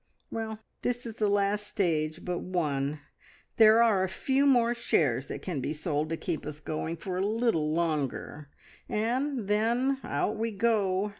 Well, this is the last stage but one. There are a few more shares that can be sold to keep us going for a little longer, and then out we go.